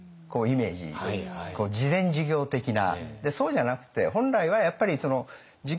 慈善事業的な。